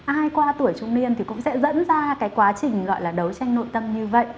ai qua tuổi trung niên thì cũng sẽ dẫn ra cái quá trình gọi là đấu tranh nội tâm như vậy